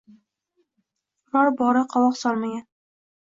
Biror bora qovoq solmagan